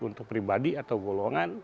untuk pribadi atau golongan